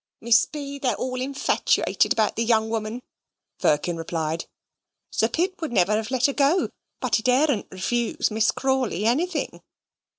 "Miss B., they are all infatyated about that young woman," Firkin replied. "Sir Pitt wouldn't have let her go, but he daredn't refuse Miss Crawley anything.